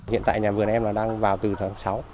hiện tại nhà vườn em là đang vào từ tháng sáu